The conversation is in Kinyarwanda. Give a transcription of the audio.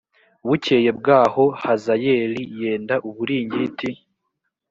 bukeye bwaho hazayeli yenda uburingiti